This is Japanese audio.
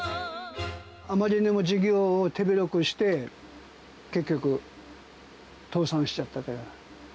あまりにも事業を手広くして、結局、倒産しちゃったから。